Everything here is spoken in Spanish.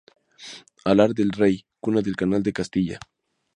Alar del Rey, "Cuna del Canal de Castilla".